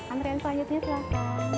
amren selanjutnya silahkan